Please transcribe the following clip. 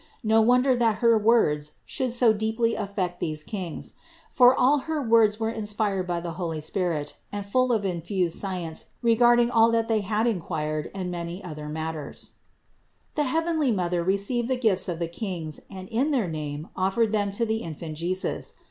No wonder that her words should so deeply affect these Kings; for all her words were inspired by the holy Spirit and full of infused science regarding all that they had inquired and many other matters. 568. The heavenly Mother received the gifts of the Kings and in their name offered them to the Infant Jesus.